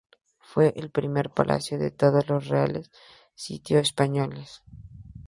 Fue el primer palacio de todos los Reales Sitios españoles.